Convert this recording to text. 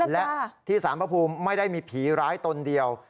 และที่สารพระภูมิไม่ได้มีผีร้ายตนเดียว